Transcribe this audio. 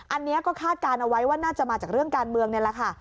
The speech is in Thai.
อันนี้ก็คาดการณ์เอาไว้ว่าน่าจะมาจากเรื่องการเมืองนี่แหละค่ะ